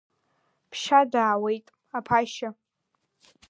Ԥшьа даауеит, аԥашьа!